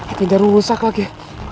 apinya rusak lagi